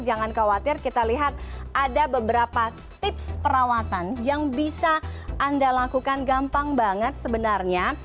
jangan khawatir kita lihat ada beberapa tips perawatan yang bisa anda lakukan gampang banget sebenarnya